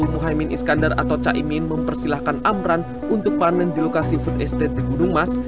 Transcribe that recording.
muhaymin iskandar atau caimin mempersilahkan amran untuk panen di lokasi food estate gunung mas